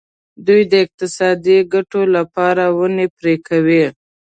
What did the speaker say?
دوی د اقتصادي ګټو لپاره ونې پرې کوي.